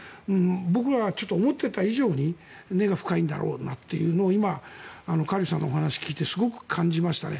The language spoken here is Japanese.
僕らがちょっと思っていた以上に根が深いんだろうなと今カ・リュウさんのお話を聞いてすごく感じましたね。